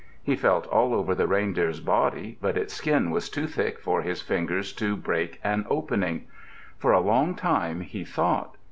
He felt all over the reindeer's body but its skin was too thick for his fingers to break an opening. For a long time he thought.